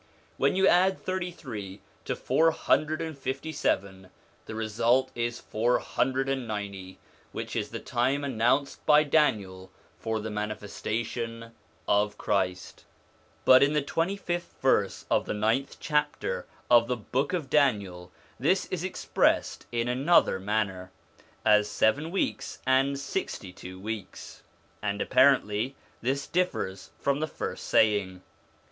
When you add thirty three to four hundred and fifty seven, the result is four hundred and ninety, which is the time announced by Daniel for the manifestation of Christ. 1 Chap. IT. 24. 2 Cf. Numbers xiv. 34. ON THE INFLUENCE OF THE PKOPHETS 49 But in the twenty fifth verse of the ninth chapter of the Book of Daniel this is expressed in another manner, as seven weeks and sixty two weeks; and apparently this differs from the first saying.